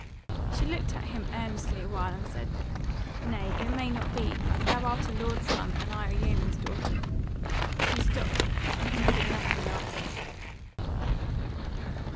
She looked at him earnestly awhile and said: "Nay, it may not be; thou art a lord's son, and I a yeoman's daughter." She stopped, and he said nothing in answer.